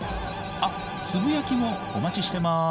あっつぶやきもお待ちしてます。